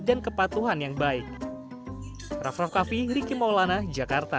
dan kepatuhan yang baik raff raff kaffi ricky maulana jakarta